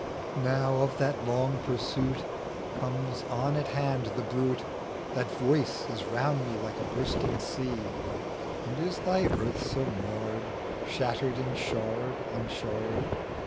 Now of that long pursuit Comes on at hand the bruit ; That Voice is round me like a bursting sea :And is thy earth so marred, Shattered in shard on shard